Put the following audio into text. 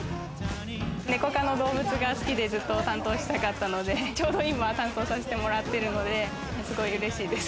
ネコ科の動物が好きでずっと担当したかったので、ちょうど今、担当させてもらってるので、すごいうれしいです。